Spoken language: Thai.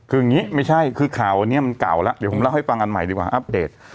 คืออย่างนี้ไม่ใช่คือข่าวอันนี้มันเก่าแล้วเดี๋ยวผมเล่าให้ฟังอันใหม่ดีกว่าอัปเดต